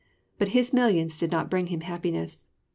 But his millions did not bring him happiness.